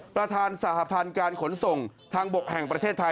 ประธานสหพันธ์การขนส่งทางบกแห่งประเทศไทย